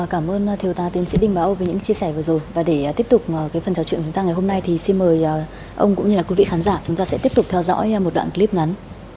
chúng ta tin sẽ đình báo về những chia sẻ vừa rồi và để tiếp tục phần trò chuyện của chúng ta ngày hôm nay thì xin mời ông cũng như là quý vị khán giả chúng ta sẽ tiếp tục theo dõi một đoạn clip ngắn